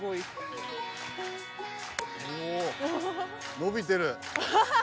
伸びてる。